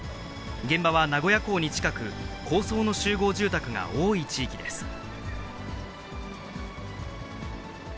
現場は名古屋港に近く、高層の集合住宅が多い地域です。